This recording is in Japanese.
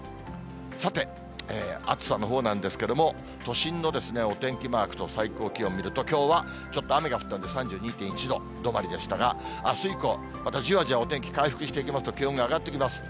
さて、暑さのほうなんですけれども、都心のお天気マークと最高気温見ると、きょうはちょっと雨が降ったので、３２．１度止まりでしたが、あす以降、またじわじわお天気回復していきますと、気温が上がってきます。